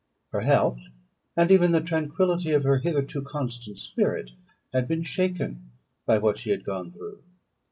Her health, and even the tranquillity of her hitherto constant spirit, had been shaken by what she had gone through.